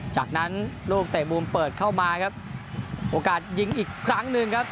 จากนั้นลูกเตะบูมเปิดเข้ามาครับโอกาสยิงอีกครั้งหนึ่งครับ